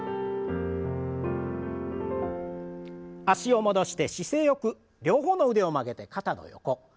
脚を戻して姿勢よく両方の腕を曲げて肩の横。